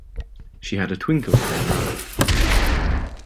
She had a twinkle in her eye.